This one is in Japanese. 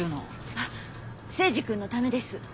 あっ征二君のためです。